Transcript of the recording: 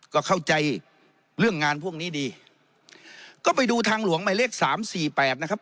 ก็เข้าใจเรื่องงานพวกนี้ดีก็ไปดูทางหลวงหมายเลขสามสี่แปดนะครับ